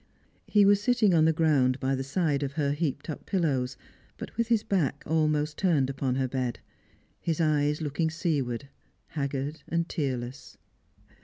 He was sitting on the ground by the side of her heaped up pillows, but with his back almost turned upon her bed, his eyes looking seaward, haggard and tearless.